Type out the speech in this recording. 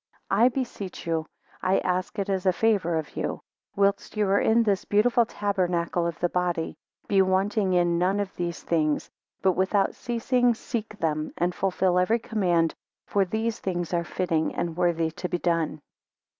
15 I beseech you; I ask it as a favour of you; whilst you are in this beautiful tabernacle of the body, be wanting in none of these things; but without ceasing seek them, and fulfil every command, For these things are fitting and worthy to be done.